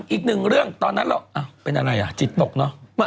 อีกหนึ่งเรื่องตอนนั้นเราเป็นอะไรอ่ะจิตตกเนอะ